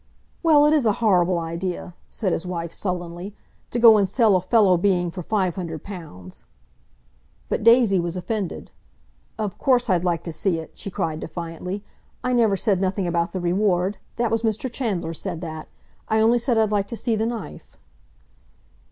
"Well, it is a horrible idea!" said his wife sullenly. "To go and sell a fellow being for five hundred pounds." But Daisy was offended. "Of course I'd like to see it!" she cried defiantly. "I never said nothing about the reward. That was Mr. Chandler said that! I only said I'd like to see the knife."